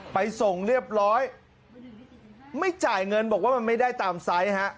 ไปส่งเรียบร้อยไม่จ่ายเงินบอกว่ามันไม่ได้ตามไซส์ฮะ